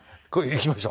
行きました。